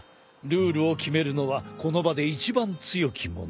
ルールを決めるのはこの場で一番強き者